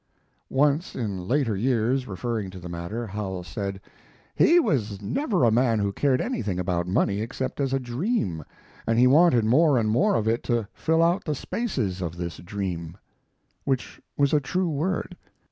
Once, in later years, referring to the matter, Howells said "He was never a man who cared anything about money except as a dream, and he wanted more and more of it to fill out the spaces of this dream." Which was a true word.